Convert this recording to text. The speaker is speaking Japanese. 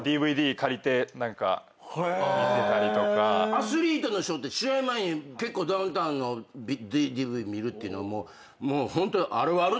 アスリートの人って試合前に結構ダウンタウンのＤＶＤ見るっていうのはもうホント。